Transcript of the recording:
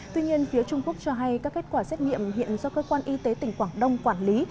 tuy nhiên phía trung quốc cho hay các kết quả xét nghiệm hiện do cơ quan y tế tỉnh quảng đông quản lý